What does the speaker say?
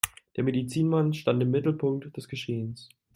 Der Medizinmann stand im Mittelpunkt des Geschehens.